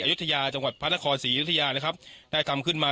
ยุธยาจังหวัดพระนครศรีอยุธยานะครับได้ทำขึ้นมา